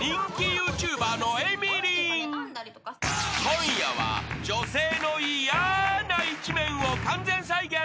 ［今夜は女性の嫌な一面を完全再現］